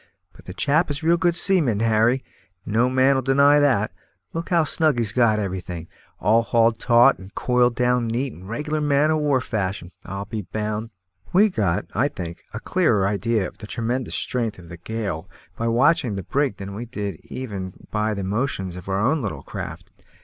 But the chap is a real good seaman, Harry, no man'll deny that; look how snug he's got everything; and all hauled taut and coiled down neat and reg'lar man o' war fashion I'll be bound." We got, I think, a clearer idea of the tremendous strength of the gale by watching the brig than we did even by the motions of our own little craft.